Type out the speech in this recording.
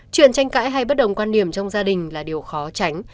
chuyện tranh cãi hay bất đồng quan điểm trong gia đình là điều khó tránh